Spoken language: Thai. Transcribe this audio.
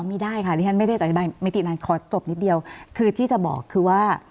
อ๋อไม่ได้ค่ะดิฉันไม่ได้จัดการอำนาจอธิปไตยขอจบนิดเดียวคือที่จะบอกคือว่า